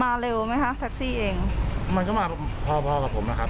เร็วไหมคะแท็กซี่เองมันก็มาพ่อพ่อกับผมนะครับ